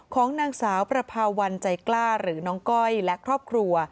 ของนางสาวประพาวันใจกล้าหรือน้องก้อยและครอบครัว